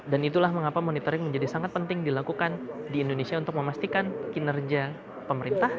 dan itulah mengapa monitoring menjadi sangat penting dilakukan di indonesia untuk memastikan kinerja pemerintah